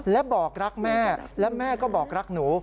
และบอกรักแม่และแม่ก็บอกรักหนู